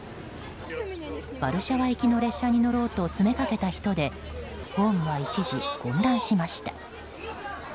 ワルシャワ行きの列車に乗ろうと詰めかけた人でホームは一時混乱しました。